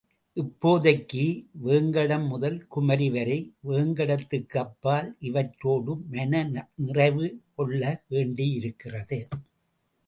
இப்போதைக்கு, வேங்கடம் முதல் குமரி வரை வேங்கடத்துக்கு அப்பால் இவற்றோடு மன நிறைவு கொள்ள வேண்டியிருக்கிறது.